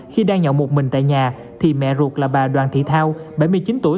khi đang nhậu một mình tại nhà thì mẹ ruột là bà đoàn thị thao bảy mươi chín tuổi